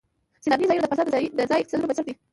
سیلانی ځایونه د افغانستان د ځایي اقتصادونو بنسټ دی.